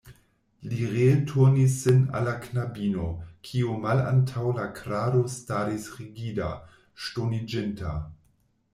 Li ree turnis sin al la knabino, kiu malantaŭ la krado staris rigida, ŝtoniĝinta.